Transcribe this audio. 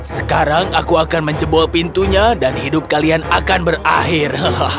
sekarang aku akan menjebol pintunya dan hidup kalian akan berakhir